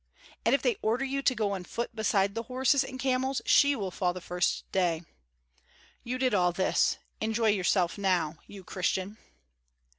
And if they order you to go on foot beside the horses and camels, she will fall the first day. You did all this. Enjoy yourself now you Christian!"